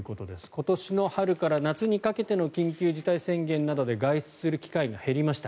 今年の春から夏にかけての緊急事態宣言などで外出する機会が減りました。